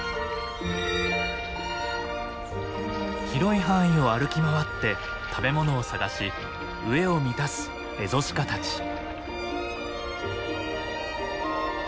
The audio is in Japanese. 広い範囲を歩き回って食べ物を探し飢えを満たすエゾシカたち。